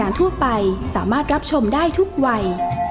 แม่บ้านรับจนบัน